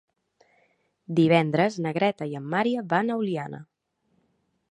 Divendres na Greta i en Maria van a Oliana.